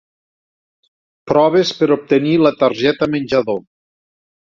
Proves per obtenir la targeta menjador.